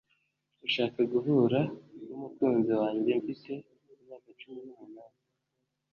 ushaka guhura n'umukunzi wanjye mfite imyaka cumi n'umunani